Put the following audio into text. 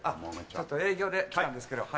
ちょっと営業で来たんですけど。